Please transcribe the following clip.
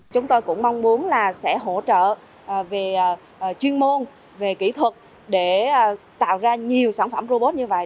chúng tôi cũng mong muốn là sẽ hỗ trợ về chuyên môn về kỹ thuật để tạo ra nhiều sản phẩm robot như vậy